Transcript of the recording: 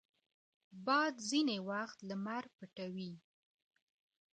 باد ځینې وخت لمر پټوي